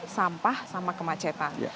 sampah sama kemacetan